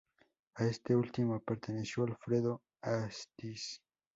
A este último perteneció Alfredo Astiz.